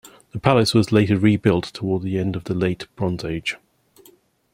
The palace was later rebuilt toward the end of the Late Bronze Age.